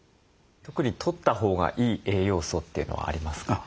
特にとったほうがいい栄養素というのはありますか？